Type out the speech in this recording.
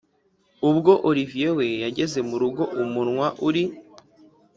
ubwo olivier we yageze murugo umunwa uri